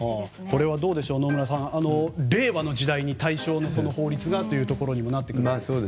これはどうでしょう野村さん、令和の時代に大正の法律がというところにもなってきますね。